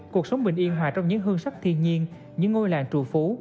cuộc sống bình yên hòa trong những hương sắc thiên nhiên những ngôi làng trù phú